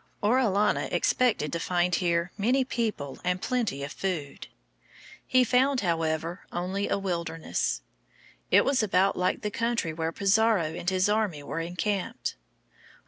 Orellana expected to find here many people and plenty of food. He found, however, only a wilderness. It was about like the country where Pizarro and his army were encamped.